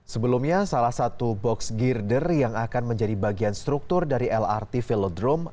sebelumnya salah satu box girder yang akan menjadi bagian struktur dari lrt velodrome